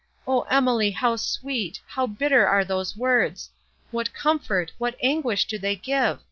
O Emily—how sweet—how bitter are those words; what comfort, what anguish do they give!